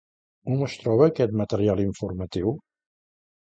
On es troba aquest material informatiu?